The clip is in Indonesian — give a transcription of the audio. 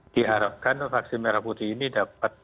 diharapkan vaksin merah putih ini dapat